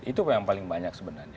itu yang paling banyak sebenarnya